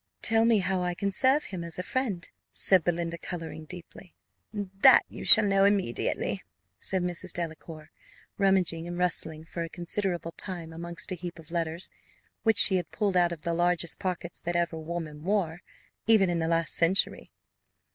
"Tell me how I can serve him as a friend," said Belinda, colouring deeply. "That you shall know immediately," said Mrs. Delacour, rummaging and rustling for a considerable time amongst a heap of letters, which she had pulled out of the largest pockets that ever woman wore, even in the last century.